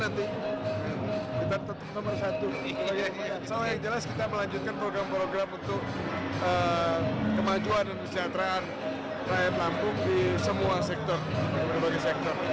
rakyat lampung di semua sektor di berbagai sektor